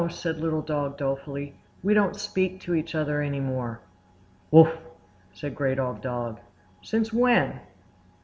said Little Dog dolefully. "We don't speak to each other any more." "Wuff!" said Great Old Dog. "Since when?"